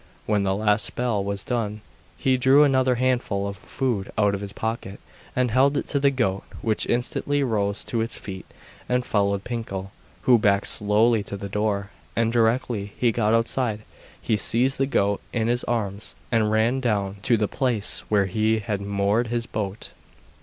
When the last bell was done he drew another handful of food out of his pocket, and held it out to the goat, which instantly rose to its feet and followed Pinkel, who backed slowly to the door, and directly he got outside he seized the goat in his arms and ran down to the place where he had moored his boat.